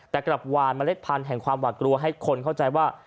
แต่กลับหวานเมล็ดพันธุ์แห่งความหวาดกลัวให้คนเข้าใจว่า